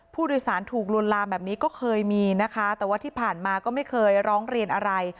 ผู้โดยสารถูกลวนลามแบบนี้ก็เคยมีนะคะแต่ว่าที่ผ่านมาก็ไม่เคยร้องเรียนอะไร